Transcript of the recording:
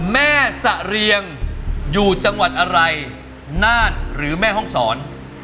แม่สะเรียงอยู่จังหวัดอะไรน่านหรือแม่ห้องศร